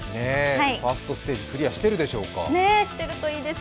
ファーストステージクリアしてるでしょうか？